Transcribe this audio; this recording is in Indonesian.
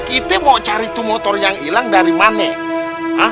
kita mau cari tuh motor yang hilang dari mana